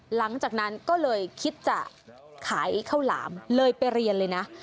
หลังจากนั้นก็เลยคิดจะขายข้าวหลามเลยไปเรียนเลยนะ